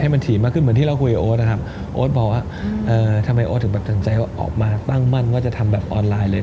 มันถี่มากขึ้นเหมือนที่เราคุยกับโอ๊ตนะครับโอ๊ตบอกว่าเอ่อทำไมโอ๊ตถึงแบบตั้งใจว่าออกมาตั้งมั่นว่าจะทำแบบออนไลน์เลย